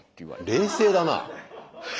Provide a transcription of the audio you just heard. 冷静だな。